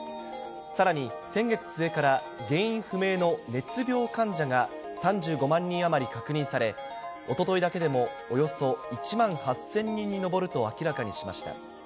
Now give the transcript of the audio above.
さらに、先月末から原因不明の熱病患者が３５万人余り確認され、おとといだけでもおよそ１万８０００人に上ると明らかにしました。